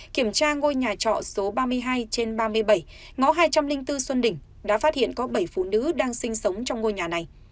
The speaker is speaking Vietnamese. kiểm tra ngôi nhà trọ số ba mươi hai trên ba mươi bảy ngõ hai trăm linh bốn xuân đỉnh đã phát hiện có bảy phụ nữ đang sinh sống trong ngôi nhà này